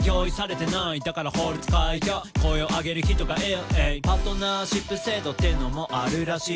「だから法律変えよう声を上げる人がいる」「パートナーシップ制度っていうのもあるらしい」